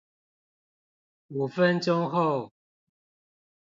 五分鐘後